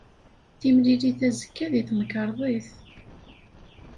Timlilit azekka deg temkarḍit.